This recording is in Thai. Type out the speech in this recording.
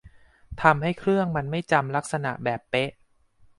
ทำให้เครื่องมันไม่จำลักษณะแบบเป๊ะ